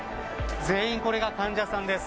全員これが患者さんです。